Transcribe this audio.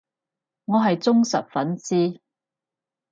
我係忠實粉絲